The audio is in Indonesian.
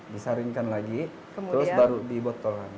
disaringkan lagi terus baru dibotolan